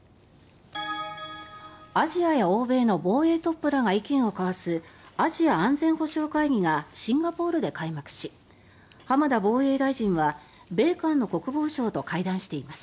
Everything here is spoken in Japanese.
アジアや欧米の防衛トップらが意見を交わすアジア安全保障会議がシンガポールで開幕し浜田防衛大臣は米韓の国防相と会談しています。